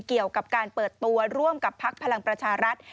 เกี่ยวกับการเปิดตัวร่วมกับพักพลังประชารัฐ